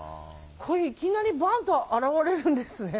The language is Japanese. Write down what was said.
こういう、いきなりバンと現れるんですね。